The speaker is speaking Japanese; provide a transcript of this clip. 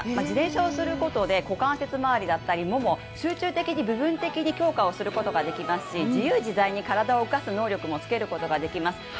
自転車をすることで、股関節まわりだったり、モモ、集中的に部分的に強化をすることができますし自由自在に体を動かす能力もつけることができます。